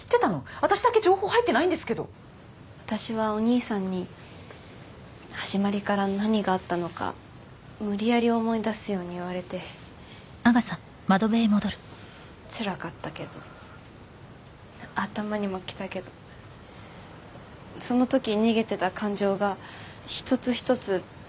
私だけ情報入ってないんですけど私はお兄さんに始まりから何があったのか無理やり思い出すように言われてつらかったけど頭にもきたけどそのとき逃げてた感情が一つ一つ